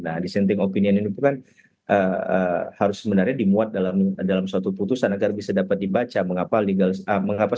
nah dissenting opinion itu kan harus sebenarnya dimuat dalam suatu putusan agar bisa dapat dibaca mengapa standingnya dari hakim a hakim b itu bisa berbeda